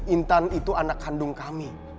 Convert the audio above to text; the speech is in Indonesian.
intan itu anak kandung kami